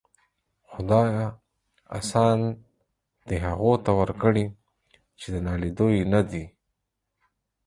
خداىه! آسان دي هغو ته ورکړي چې د ناليدو يې ندې.